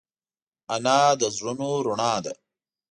انا د زړونو رڼا ده